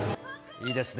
いいですね。